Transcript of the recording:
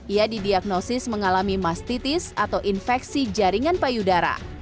ia didiagnosis mengalami mastitis atau infeksi jaringan payudara